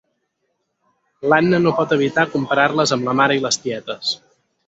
L'Anna no pot evitar comparar-les amb la mare i les tietes.